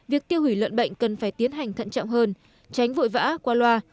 việc tiêu hủy lợn bệnh cần phải tiến hành thận trọng hơn tránh vội vã qua loa